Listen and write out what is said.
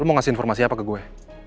mau ngasih informasi apa ke gue